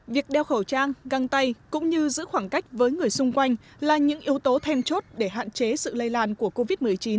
việc đeo khẩu trang găng tay cũng như giữ khoảng cách với người xung quanh là những yếu tố then chốt để hạn chế sự lây lan của covid một mươi chín